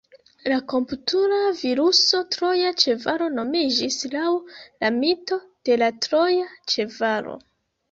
La komputila viruso troja ĉevalo nomiĝis laŭ la mito de la troja ĉevalo.